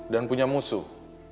dan punya musuh